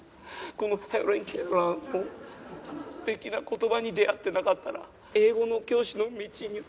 このヘレン・ケラーの素敵な言葉に出会ってなかったら英語の教師の道には。